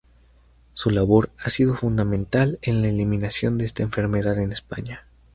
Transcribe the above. Su labor ha sido fundamental en la eliminación de esta enfermedad en España.